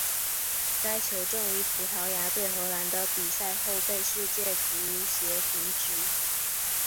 该球证于葡萄牙对荷兰的比赛后被世界足协停职。